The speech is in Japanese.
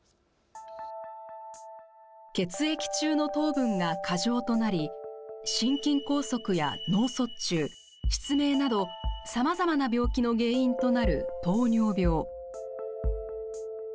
血液中の糖分が過剰となり心筋梗塞や脳卒中、失明などさまざまな病気の原因となる糖尿病。